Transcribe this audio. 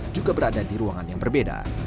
juga berada di ruangan yang berbeda